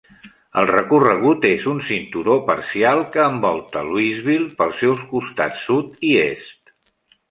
El recorregut és un cinturó parcial que envolta Louisville pels seus costats sud i est.